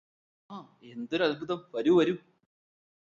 ആ എന്തൊര് അത്ഭുതം വരൂ വരൂ